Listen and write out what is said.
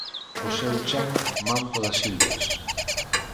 O seu chan manto das silvas.